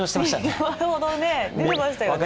２度ほどね出てましたよね。